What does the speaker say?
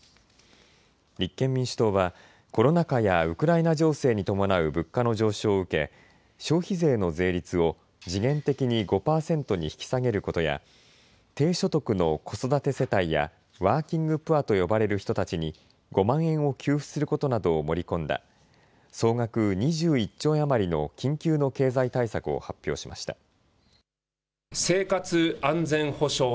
立憲民主党はコロナ禍やウクライナ情勢に伴う物価の上昇を受け消費税の税率を時限的に５％に引き下げることや低所得の子育て世帯やワーキングプアと呼ばれる人たちに５万円を給付することなどを盛り込んだ総額２１兆円余りの緊急の経済対策を発表しました。